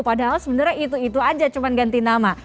padahal sebenarnya itu itu aja cuma ganti nama